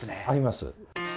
あります。